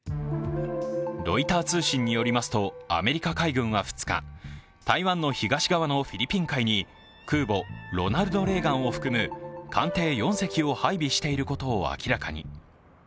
ロイター通信によりますとアメリカ海軍は２日台湾の東側のフィリピン海に空母「ロナルド・レーガン」を含む、艦艇４隻を配備していることを明らかに。